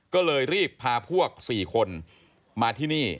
ก็เลยรีบพาพวก๔คนมาที่นี่